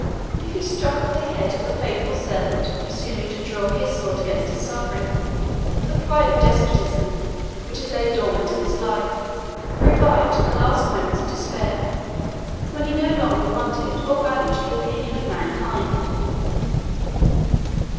If he struck off the head of the faithful servant for presuming to draw his sword against his sovereign, the pride of despotism, which had lain dormant in his life, revived in the last moments of despair, when he no longer wanted or valued the opinion of mankind.